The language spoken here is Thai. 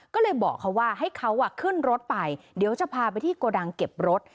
ก็เลยบอกเขาว่าให้เขาขึ้นรถไปเดี๋ยวจะพาไปที่โกดังเก็บรถ